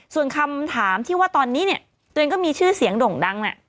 ส่วนคำถามที่ว่าตอนนี้เนี่ยตัวเองก็มีชื่อเสียงด่งดัง